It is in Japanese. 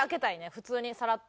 普通にさらっと。